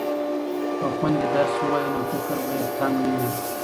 که خویندې درس ووایي نو فکر به یې تنګ نه وي.